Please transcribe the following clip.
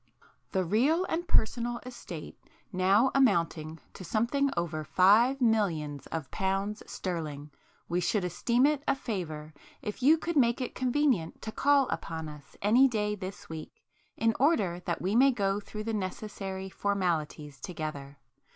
"The real and personal estate now amounting to something over Five Millions of Pounds Sterling, we should esteem it a favour if you could make it convenient to call upon us any day this week in order that we may go through the necessary formalities together.